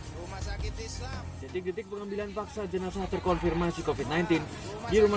hai rumah sakit islam detik detik pengambilan paksa jenazah terkonfirmasi kofit sembilan belas di rumah